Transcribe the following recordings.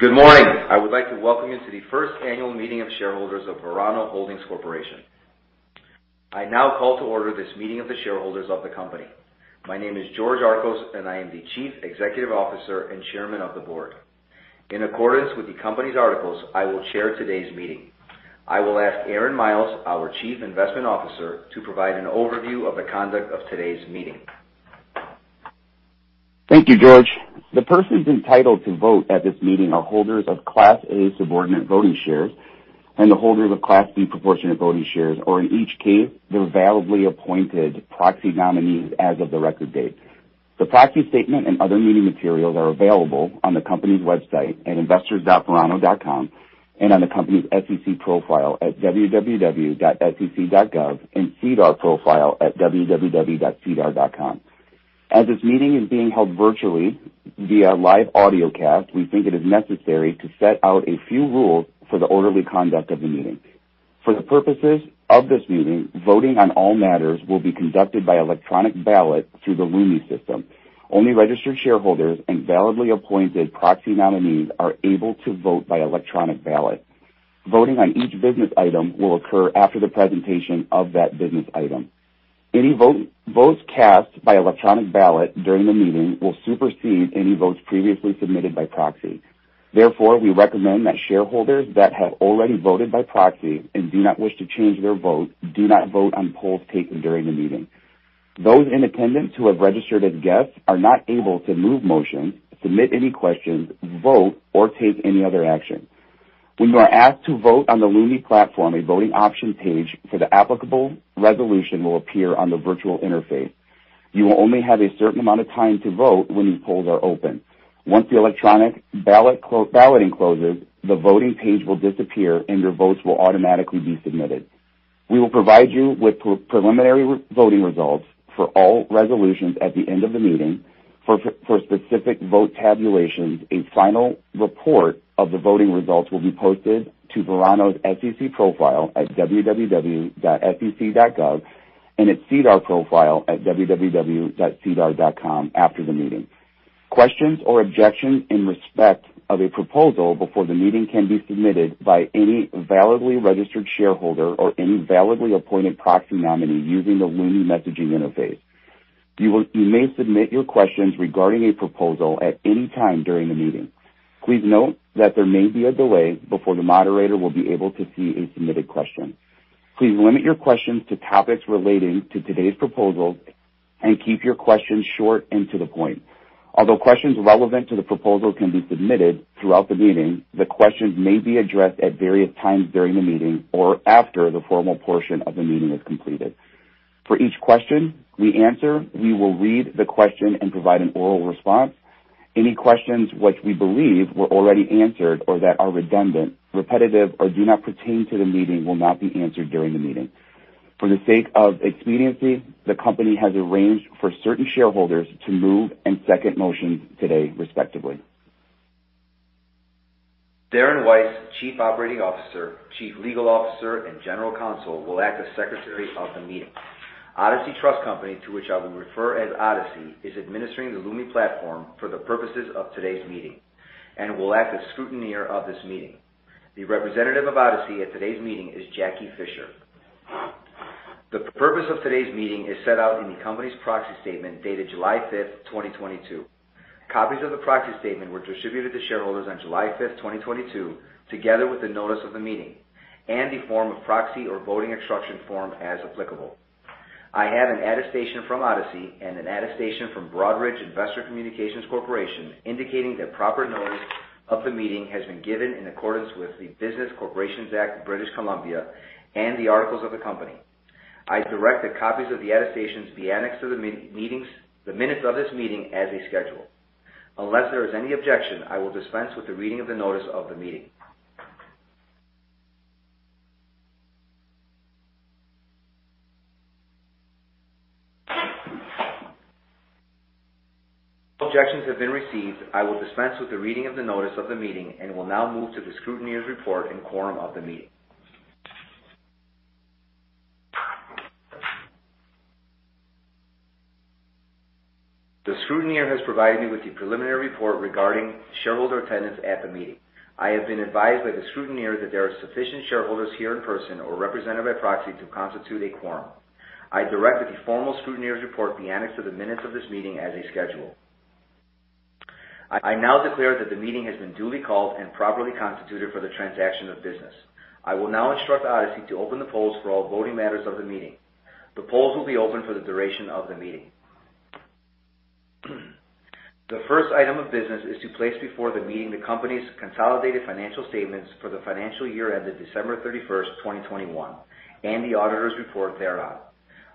Good morning. I would like to welcome you to the first annual meeting of shareholders of Verano Holdings Corp. I now call to order this meeting of the shareholders of the company. My name is George Archos, and I am the Chief Executive Officer and Chairman of the Board. In accordance with the company's articles, I will chair today's meeting. I will ask Aaron Miles, our Chief Investment Officer, to provide an overview of the conduct of today's meeting. Thank you, George. The persons entitled to vote at this meeting are holders of Class A subordinate voting shares and the holders of Class B proportionate voting shares, or in each case, their validly appointed proxy nominees as of the record date. The proxy statement and other meeting materials are available on the company's website at investors.verano.com and on the company's SEC profile at www.sec.gov, and SEDAR profile at www.sedar.com. As this meeting is being held virtually via live audio cast, we think it is necessary to set out a few rules for the orderly conduct of the meeting. For the purposes of this meeting, voting on all matters will be conducted by electronic ballot through the Lumi system. Only registered shareholders and validly appointed proxy nominees are able to vote by electronic ballot. Voting on each business item will occur after the presentation of that business item. Votes cast by electronic ballot during the meeting will supersede any votes previously submitted by proxy. Therefore, we recommend that shareholders that have already voted by proxy and do not wish to change their vote do not vote on polls taken during the meeting. Those in attendance who have registered as guests are not able to move motions, submit any questions, vote, or take any other action. When you are asked to vote on the Lumi platform, a voting option page for the applicable resolution will appear on the virtual interface. You will only have a certain amount of time to vote when these polls are open. Once the electronic balloting closes, the voting page will disappear, and your votes will automatically be submitted. We will provide you with preliminary voting results for all resolutions at the end of the meeting. For specific vote tabulations, a final report of the voting results will be posted to Verano's SEC profile at www.sec.gov and its SEDAR profile at www.sedar.com after the meeting. Questions or objections in respect of a proposal before the meeting can be submitted by any validly registered shareholder or any validly appointed proxy nominee using the Lumi messaging interface. You may submit your questions regarding a proposal at any time during the meeting. Please note that there may be a delay before the moderator will be able to see a submitted question. Please limit your questions to topics relating to today's proposals and keep your questions short and to the point. Although questions relevant to the proposal can be submitted throughout the meeting, the questions may be addressed at various times during the meeting or after the formal portion of the meeting is completed. For each question we answer, we will read the question and provide an oral response. Any questions which we believe were already answered or that are redundant, repetitive, or do not pertain to the meeting will not be answered during the meeting. For the sake of expediency, the company has arranged for certain shareholders to move and second motions today, respectively. Darren Weiss, Chief Operating Officer, Chief Legal Officer, and General Counsel, will act as Secretary of the meeting. Odyssey Trust Company, to which I will refer as Odyssey, is administering the Lumi platform for the purposes of today's meeting and will act as scrutineer of this meeting. The representative of Odyssey at today's meeting is Jackie Fisher. The purpose of today's meeting is set out in the company's proxy statement dated July 5, 2022. Copies of the proxy statement were distributed to shareholders on July 5, 2022, together with the notice of the meeting and the form of proxy or voting instruction form, as applicable. I have an attestation from Odyssey and an attestation from Broadridge Investor Communications Corporation indicating that proper notice of the meeting has been given in accordance with the Business Corporations Act of British Columbia and the articles of the company. I direct that copies of the attestations be annexed to the minutes of this meeting as a schedule. Unless there is any objection, I will dispense with the reading of the notice of the meeting. No objections have been received. I will dispense with the reading of the notice of the meeting and will now move to the scrutineer's report and quorum of the meeting. The scrutineer has provided me with the preliminary report regarding shareholder attendance at the meeting. I have been advised by the scrutineer that there are sufficient shareholders here in person or represented by proxy to constitute a quorum. I direct that the formal scrutineer's report be annexed to the minutes of this meeting as a schedule. I now declare that the meeting has been duly called and properly constituted for the transaction of business. I will now instruct Odyssey to open the polls for all voting matters of the meeting. The polls will be open for the duration of the meeting. The first item of business is to place before the meeting the company's consolidated financial statements for the financial year ended December 31, 2021, and the auditor's report thereon,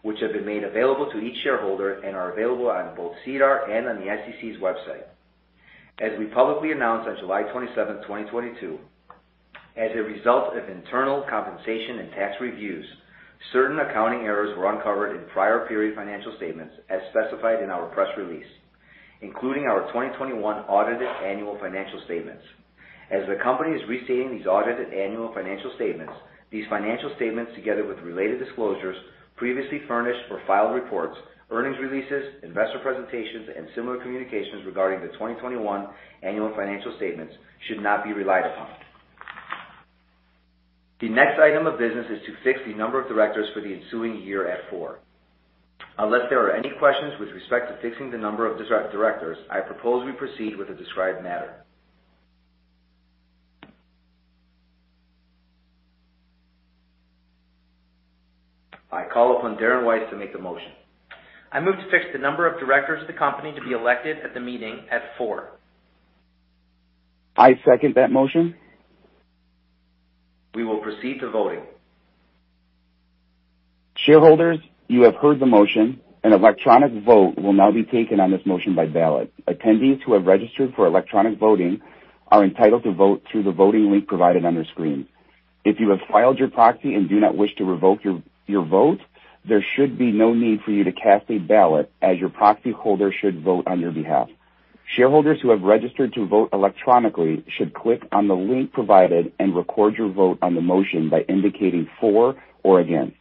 which have been made available to each shareholder and are available on both SEDAR and on the SEC's website. As we publicly announced on July 27, 2022, as a result of internal compensation and tax reviews, certain accounting errors were uncovered in prior period financial statements as specified in our press release, including our 2021 audited annual financial statements. As the company is restating these audited annual financial statements, these financial statements, together with related disclosures, previously furnished or filed reports, earnings releases, investor presentations, and similar communications regarding the 2021 annual financial statements should not be relied upon. The next item of business is to fix the number of directors for the ensuing year at four. Unless there are any questions with respect to fixing the number of directors, I propose we proceed with the described matter. I call upon Darren Weiss to make the motion. I move to fix the number of directors of the company to be elected at the meeting at four. I second that motion. We will proceed to voting. Shareholders, you have heard the motion. An electronic vote will now be taken on this motion by ballot. Attendees who have registered for electronic voting are entitled to vote through the voting link provided on their screen. If you have filed your proxy and do not wish to revoke your vote, there should be no need for you to cast a ballot as your proxy holder should vote on your behalf. Shareholders who have registered to vote electronically should click on the link provided and record your vote on the motion by indicating for or against.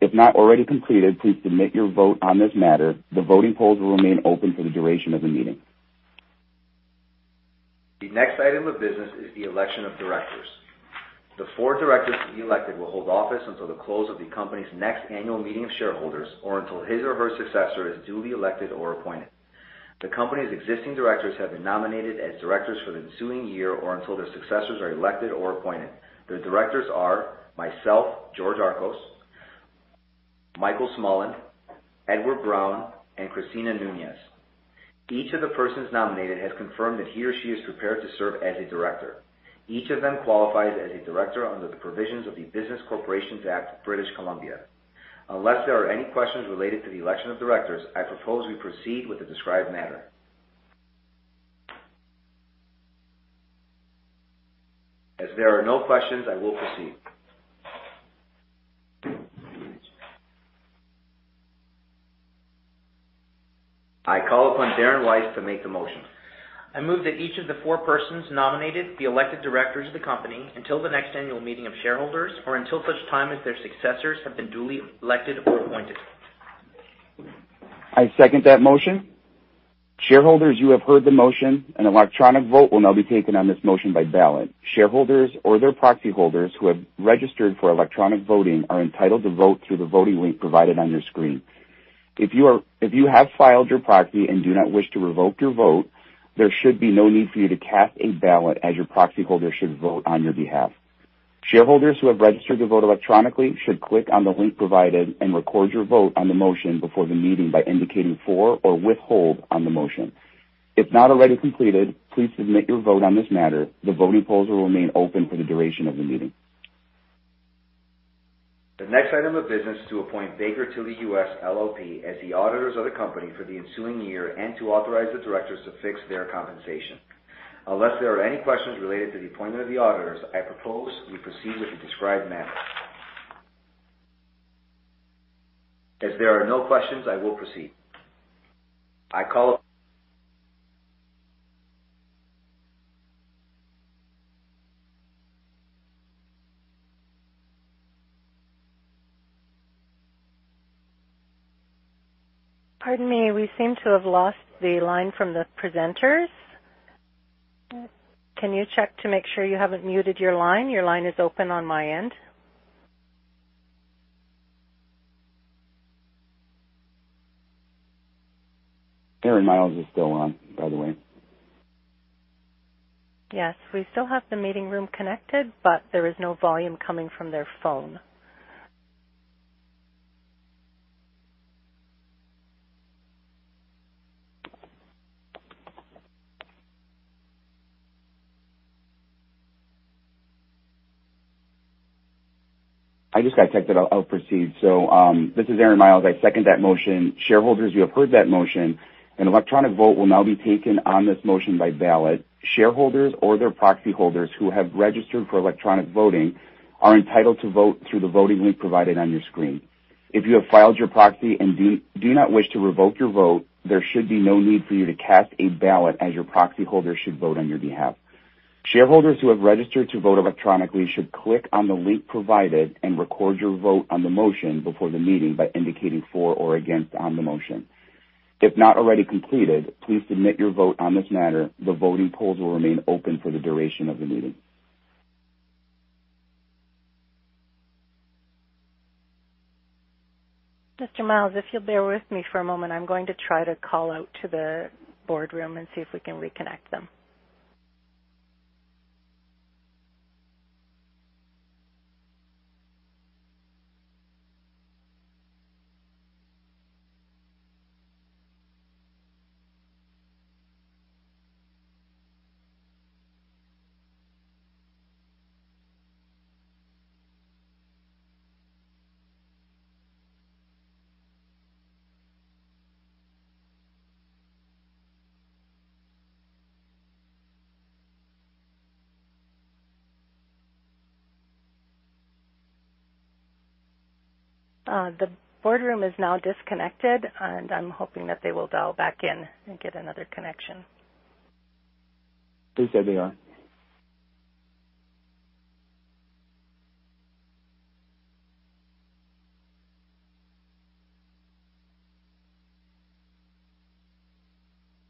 If not already completed, please submit your vote on this matter. The voting polls will remain open for the duration of the meeting. The next item of business is the election of directors. The four directors to be elected will hold office until the close of the company's next annual meeting of shareholders, or until his or her successor is duly elected or appointed. The company's existing directors have been nominated as directors for the ensuing year or until their successors are elected or appointed. The directors are myself, George Archos, Michael Smullen, Edward Brown, and Cristina Nuñez. Each of the persons nominated has confirmed that he or she is prepared to serve as a director. Each of them qualifies as a director under the provisions of the Business Corporations Act, British Columbia. Unless there are any questions related to the election of directors, I propose we proceed with the described matter. As there are no questions, I will proceed. I call upon Darren Weiss to make the motion. I move that each of the four persons nominated be elected directors of the company until the next annual meeting of shareholders or until such time as their successors have been duly elected or appointed. I second that motion. Shareholders, you have heard the motion. An electronic vote will now be taken on this motion by ballot. Shareholders or their proxy holders who have registered for electronic voting are entitled to vote through the voting link provided on your screen. If you have filed your proxy and do not wish to revoke your vote, there should be no need for you to cast a ballot as your proxy holder should vote on your behalf. Shareholders who have registered to vote electronically should click on the link provided and record your vote on the motion before the meeting by indicating for or withhold on the motion. If not already completed, please submit your vote on this matter. The voting polls will remain open for the duration of the meeting. The next item of business is to appoint Baker Tilly US, LLP as the auditors of the company for the ensuing year and to authorize the directors to fix their compensation. Unless there are any questions related to the appointment of the auditors, I propose we proceed with the described matter. As there are no questions, I will proceed. Pardon me. We seem to have lost the line from the presenters. Can you check to make sure you haven't muted your line? Your line is open on my end. Aaron Miles is still on, by the way. Yes, we still have the meeting room connected, but there is no volume coming from their phone. I just got checked that I'll proceed. This is Aaron Miles. I second that motion. Shareholders, you have heard that motion. An electronic vote will now be taken on this motion by ballot. Shareholders or their proxy holders who have registered for electronic voting are entitled to vote through the voting link provided on your screen. If you have filed your proxy and do not wish to revoke your vote, there should be no need for you to cast a ballot as your proxy holder should vote on your behalf. Shareholders who have registered to vote electronically should click on the link provided and record your vote on the motion before the meeting by indicating for or against on the motion. If not already completed, please submit your vote on this matter. The voting polls will remain open for the duration of the meeting. Mr. Miles, if you'll bear with me for a moment, I'm going to try to call out to the boardroom and see if we can reconnect them. The boardroom is now disconnected, and I'm hoping that they will dial back in and get another connection. Please carry on.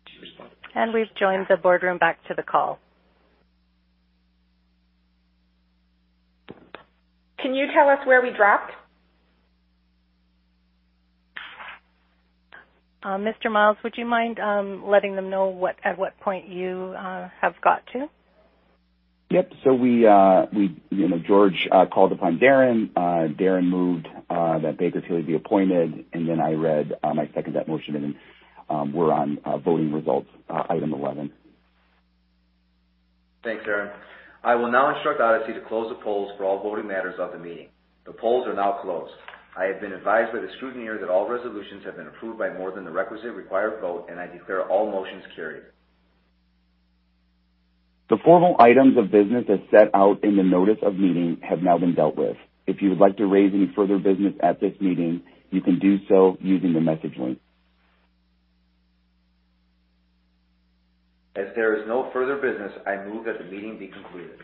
She responded. We've joined the boardroom back to the call. Can you tell us where we dropped? Mr. Miles, would you mind letting them know at what point you have got to? Yep. We, you know, George called upon Darren. Darren moved that Baker Tilly be appointed, and then I second that motion, and we're on voting results, Item 11. Thanks, Aaron. I will now instruct Odyssey to close the polls for all voting matters of the meeting. The polls are now closed. I have been advised by the scrutineer that all resolutions have been approved by more than the requisite required vote, and I declare all motions carried. The formal items of business as set out in the notice of meeting have now been dealt with. If you would like to raise any further business at this meeting, you can do so using the message link. As there is no further business, I move that the meeting be concluded.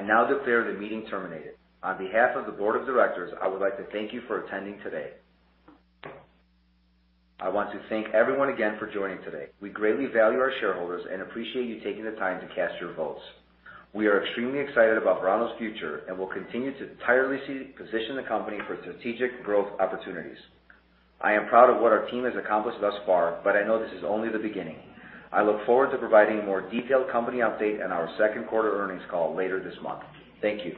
I now declare the meeting terminated. On behalf of the board of directors, I would like to thank you for attending today. I want to thank everyone again for joining today. We greatly value our shareholders and appreciate you taking the time to cast your votes. We are extremely excited about Verano's future and will continue to tirelessly position the company for strategic growth opportunities. I am proud of what our team has accomplished thus far, but I know this is only the beginning. I look forward to providing a more detailed company update on our second quarter earnings call later this month. Thank you.